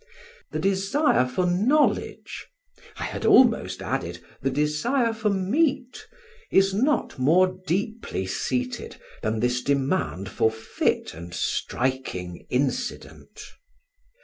The desire for knowledge, I had almost added the desire for meat, is not more deeply seated than this demand for fit and striking incident.